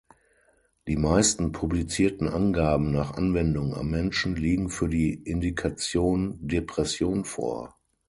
Die meisten publizierten Angaben nach Anwendung am Menschen liegen für die Indikation Depression vor.